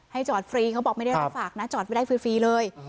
จอดฟรีเขาบอกไม่ได้รับฝากนะจอดไม่ได้ฟรีเลย